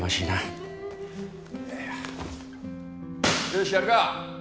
よしやるか！